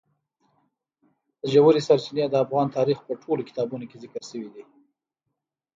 ژورې سرچینې د افغان تاریخ په ټولو کتابونو کې ذکر شوي دي.